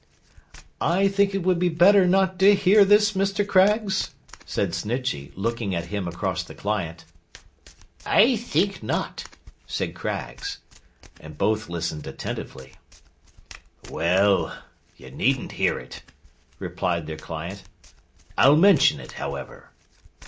'I think it will be better not to hear this, Mr. Craggs?' said Snitchey, looking at him across the client. 'I think not,' said Craggs.—Both listened attentively. 'Well! You needn't hear it,' replied their client. 'I'll mention it, however.